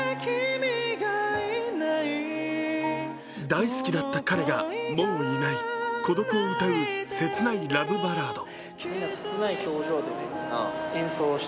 大好きだった彼がもういない、孤独を歌う切ないラブバラード。